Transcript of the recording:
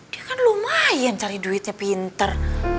dia kan lumayan cari duitnya pinter